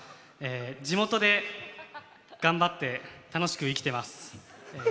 地元で頑張って楽しく生きてます。